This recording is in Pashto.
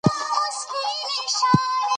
مېرمن نېکبخته په قوم مموزۍ وه.